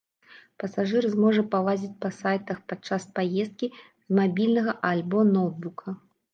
Пасажыр зможа палазіць па сайтах падчас паездкі, з мабільнага альбо ноўтбука.